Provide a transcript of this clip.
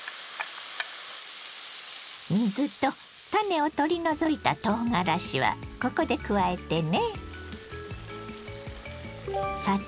水と種を取り除いたとうがらしはここで加えてね。